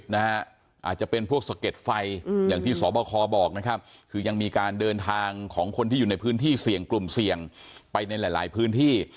อาจจะเป็นพวกสะเก็ดไฟอย่างที่สบคบอกนะครับคือยังมีการเดินทางของคนที่อยู่ในพื้นที่เสี่ยงกลุ่มเสี่ยงไปในหลายพื้นที่